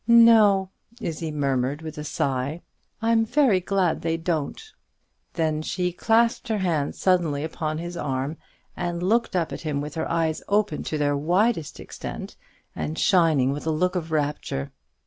"No," Izzie murmured with a sigh; "I'm very glad they don't." Then she clasped her hands suddenly upon his arm, and looked up at him with her eyes opened to their widest extent, and shining with a look of rapture.